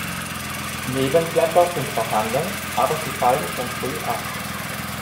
Nebenblätter sind vorhanden, aber sie fallen schon früh ab.